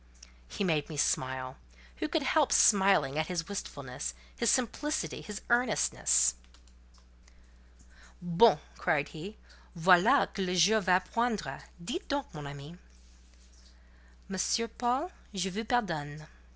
'" He made me smile. Who could help smiling at his wistfulness, his simplicity, his earnestness? "Bon!" he cried. "Voilà que le jour va poindre! Dites donc, mon ami." "Monsieur Paul, je vous pardonne."